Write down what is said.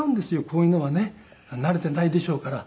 こういうのはね慣れていないでしょうから。